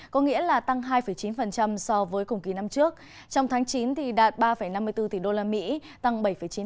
có nghĩa là tăng hai chín so với cùng kỳ năm trước trong tháng chín đạt ba năm mươi bốn tỷ đô la mỹ tăng bảy chín